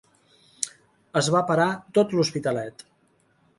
Es va parar tot l'Hospitalet.